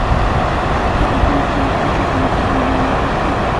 د احکامو پر مقاصدو تمرکز له مهمو موضوعاتو ده.